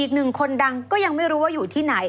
อีกหนึ่งคนดังก็ยังไม่รู้ว่าอยู่ที่ไหน